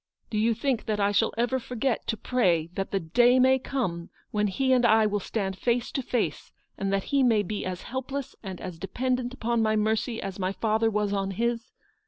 Do you think that I shall ever forget to pray that the day may come when he and I will stand face to face, and that he may be as helpless and as dependent upon my mercy as my father was on his